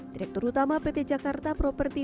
direktur utama pt jakarta property